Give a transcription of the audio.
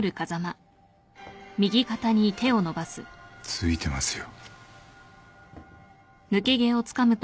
付いてますよ。